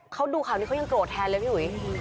เขาดูข่าวนี้เขายังโกรธแทนเลยพี่หุย